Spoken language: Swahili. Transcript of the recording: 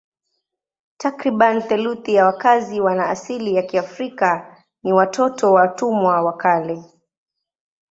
Takriban theluthi ya wakazi wana asili ya Kiafrika ni watoto wa watumwa wa kale.